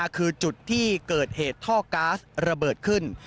คือจุดที่เกิดเหตุท่อก๊าซระเบิดขึ้น